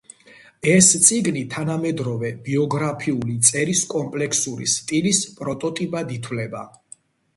ეს წიგნი თანამედროვე ბიოგრაფიული წერის კომპლექსური სტილის პროტოტიპად ითვლება.